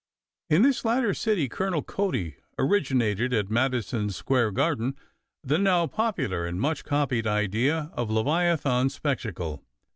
In this latter city Colonel Cody originated, at Madison Square Garden, the now popular and much copied idea of leviathan spectacle.